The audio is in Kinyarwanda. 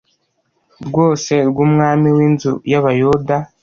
Rwose rw umwami w inzu y abayuda